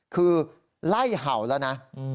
คือไล่เห่าแล้วนะ